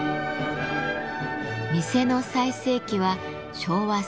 店の最盛期は昭和３０年代。